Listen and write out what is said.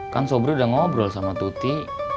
kan sobri udah ngobrol sama tuti